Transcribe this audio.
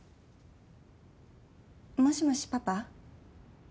もしもしパパ？